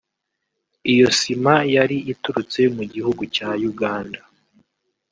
Iyo sima yari iturutse mu gihugu cya Uganda